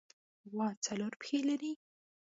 غوا څلور پښې لري.